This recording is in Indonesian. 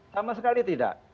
sama sekali tidak